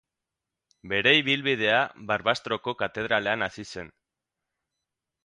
Bere ibilbidea Barbastroko katedralean hasi zen.